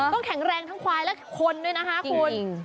แข็งแรงทั้งควายและคนด้วยนะคะคุณ